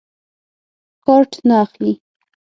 کارټ نه اخلي.